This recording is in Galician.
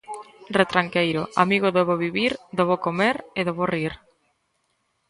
Retranqueiro, amigo do bo vivir, do bo comer e do bo rir.